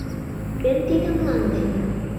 — Кӧн тиде мланде?